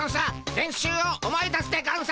練習を思い出すでゴンス。